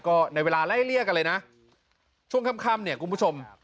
ก็ในเวลาไล่เลี่ยกันเลยนะช่วงค่ำเนี่ยคุณผู้ชม